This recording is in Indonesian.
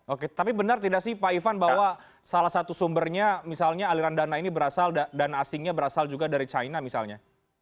oke tapi benar tidak sih pak ivan bahwa salah satu sumbernya misalnya aliran dana ini berasal dan asingnya berasal juga dari china misalnya